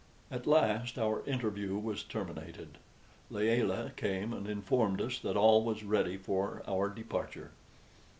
At last our interview was terminated. Layelah came and informed us that all was ready for our departure.